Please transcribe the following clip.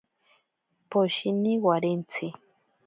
Poshini warentsi.